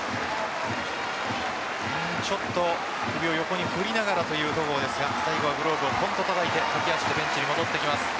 ちょっと首を横に振りながらという戸郷ですが最後はグローブをポンとたたいて駆け足でベンチに戻ってきます。